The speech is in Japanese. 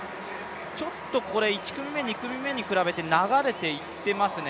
ちょっとこれ、１組目、２組目に比べて流れていっていますね。